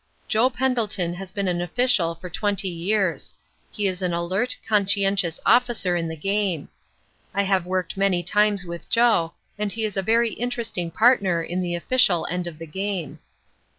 Joe Pendleton has been an official for twenty years. He is an alert, conscientious officer in the game. I have worked many times with Joe and he is a very interesting partner in the official end of the game.